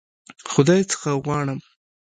خدای څخه غواړم.